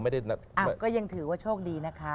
ก็ยังถือว่าโชคดีนะคะ